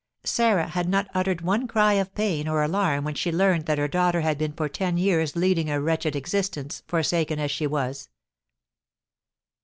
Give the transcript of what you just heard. Sarah had not uttered one cry of pain or alarm when she learned that her daughter had been for ten years leading a wretched existence, forsaken as she was.